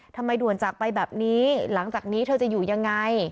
ด่วนจากไปแบบนี้หลังจากนี้เธอจะอยู่ยังไง